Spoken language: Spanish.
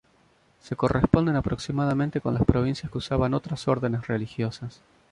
Se corresponden aproximadamente con las provincias que usaban otras órdenes religiosas.